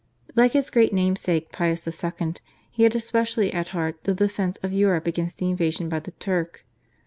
Like his great namesake Pius II. he had especially at heart the defence of Europe against invasion by the Turk.